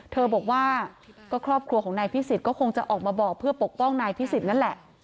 เธอบอกว่าก็ครอบครัวของนายพิสิทธิก็คงจะออกมาบอกเพื่อปกป้องนายพิสิทธิ์นั่นแหละ